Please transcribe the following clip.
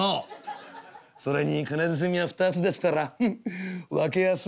「それに金包みは二つですからフフッ分けやすい」。